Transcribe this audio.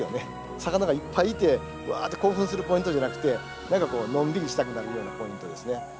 魚がいっぱいいてわって興奮するポイントじゃなくて何かこうのんびりしたくなるようなポイントですね。